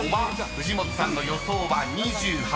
［藤本さんの予想は２８％］